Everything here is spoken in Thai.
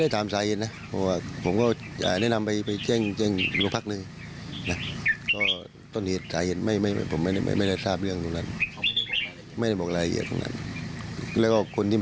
แต่ว่ามันจะเป็นตัวเหตุไหมก็ไม่ได้แทบตรงนั้น